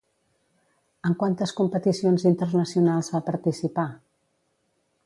En quantes competicions internacionals va participar?